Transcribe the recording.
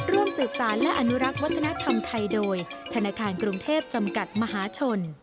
ร่วมสืบสารและอนุรักษ์วัฒนธรรมไทยโดยธนาคารกรุงเทพจำกัดมหาชน